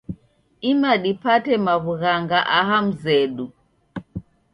Ima dipate mawughanga aha mzedu